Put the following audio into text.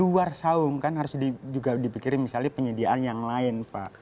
karena saung kan harus juga dipikirin misalnya penyediaan yang lain pak